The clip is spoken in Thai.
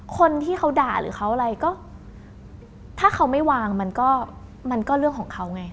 คนที่เขาด่าหรือเขาอะไรก็ถ้าเขาไม่วางมันก็มันก็เรื่องของเขาไง